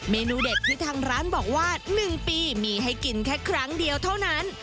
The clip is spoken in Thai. เมนูเด็ดที่ทางร้านบอกว่า๑ปีมีให้กินแค่ครั้งเดียวเท่านั้น